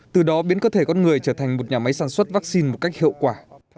từ đó biến cơ thể con người trở thành một nhà máy sản xuất vaccine một cách hiệu quả